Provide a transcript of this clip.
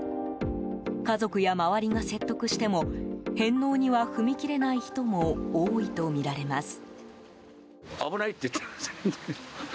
家族や周りが説得しても返納には踏み切れない人も多いとみられます。